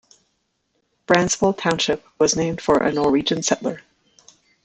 Brandsvold Township was named for a Norwegian settler.